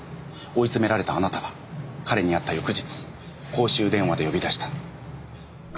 追い詰められたあなたは彼に会った翌日公衆電話で呼び出した。